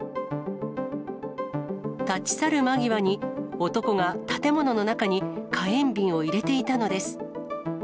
立ち去る間際に、男が建物の中に火炎瓶を入れていたのです。